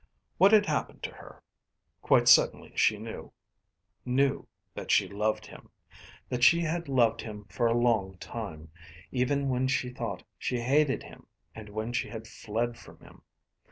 What had happened to her? Quite suddenly she knew knew that she loved him, that she had loved him for a long time, even when she thought she hated him and when she had fled from him.